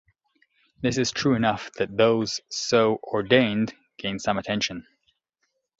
This is true enough that those so ordained gain some attention.